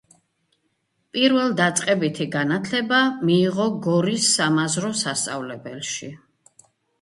პირველდაწყებითი განათლება მიიღო გორის სამაზრო სასწავლებელში.